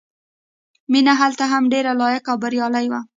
مینه هلته هم ډېره لایقه او بریالۍ وه